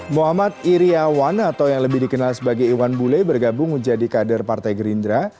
muhammad iryawan atau yang lebih dikenal sebagai iwan bule bergabung menjadi kader partai gerindra